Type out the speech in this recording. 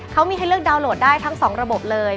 เขามีให้เลือกดาวนโหลดได้ทั้งสองระบบเลย